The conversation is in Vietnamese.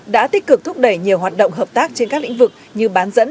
đã tích cực thúc đẩy nhiều hoạt động hợp tác trên các lĩnh vực như bán dẫn